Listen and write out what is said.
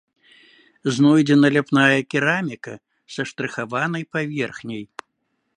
Знойдзена ляпная кераміка са штрыхаванай паверхняй.